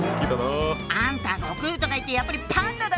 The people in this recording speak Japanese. あんた悟空とかいってやっぱりパンダだったのね！